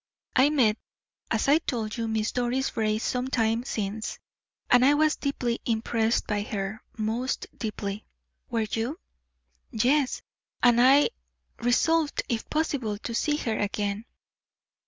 I met, as I told you, Miss Doris Brace some time since, and I was deeply impressed by her most deeply." "Were you?" "Yes; and I resolved, if possible, to see her again."